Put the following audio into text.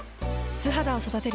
素肌を育てる。